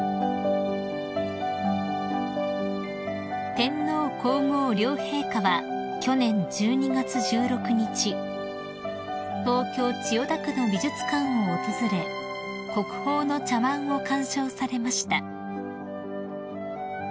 ［天皇皇后両陛下は去年１２月１６日東京千代田区の美術館を訪れ国宝の茶わんを鑑賞されました］